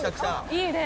「いいね」